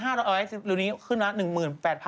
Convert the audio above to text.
หลังจากนี้ขึ้นแล้ว๑๘๖๐๐บาท